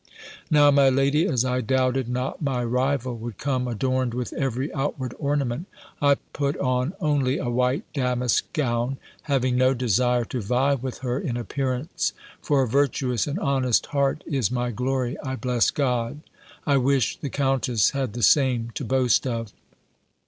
Now, my lady, as I doubted not my rival would come adorned with every outward ornament, I put on only a white damask gown, having no desire to vie with her in appearance; for a virtuous and honest heart is my glory, I bless God! I wish the countess had the same to boast of!